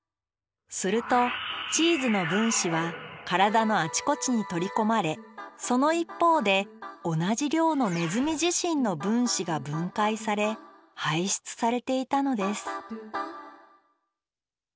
するとチーズの分子は体のあちこちに取り込まれその一方で同じ量のネズミ自身の分子が分解され排出されていたのです